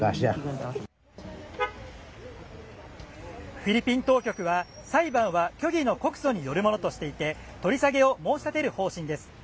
フィリピン当局は裁判は虚偽の告訴によるものとしていて取り下げを申し立てる方針です。